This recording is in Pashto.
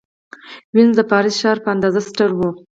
وینز د پاریس ښار په اندازه ستر و.